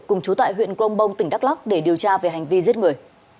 cùng chú tại huyện grongbong tỉnh đắk lắc để điều tra về hành vi giết người